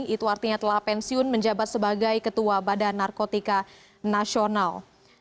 itu artinya telah pensiun menjabat sebagai ketua badan narkotika nasional